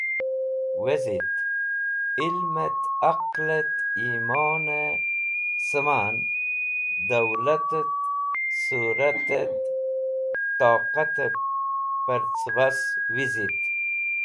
Wezit ilmẽt, aqlẽt yimonẽ sẽman, dulatẽt suratẽt toqatẽb pẽr cẽbas wizit.